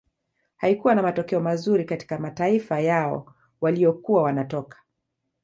Haikuwa na matokeo mazuri katika mataifa yao waliyokuwa wanatoka